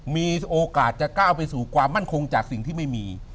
มีโอกาสจะก้าวไปสู่ความมั่นคงจากสิ่งที่ไม่มี